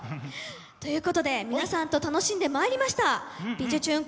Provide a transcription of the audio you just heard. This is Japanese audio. ということで皆さんと楽しんでまいりました「びじゅチューン！